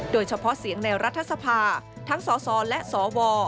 โดยเฉพาะเสียงในรัฐสภาทั้งสสและสว